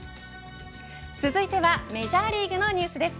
続いてはメジャーリーグのニュースです。